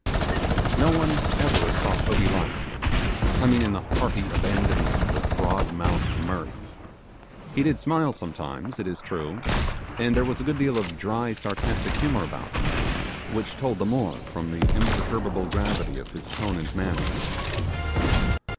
No one ever saw Toby laugh. I mean in the hearty abandonment of broad mouthed mirth. He did smile sometimes, it is true; and there was a good deal of dry, sarcastic humour about him, which told the more from the imperturbable gravity of his tone and manner.